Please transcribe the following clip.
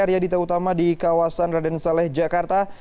arya dita utama di kawasan raden saleh jakarta